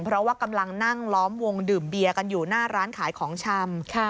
เพราะว่ากำลังนั่งล้อมวงดื่มเบียร์กันอยู่หน้าร้านขายของชำ